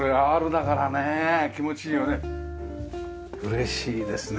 嬉しいですね